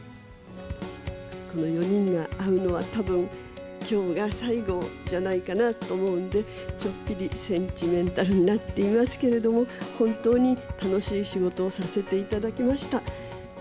この４人が会うのは、たぶんきょうが最後じゃないかなと思うので、ちょっぴりセンチメンタルになっていますけれども、本当に楽しい仕事をさせていただきました。